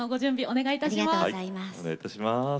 お願いいたします。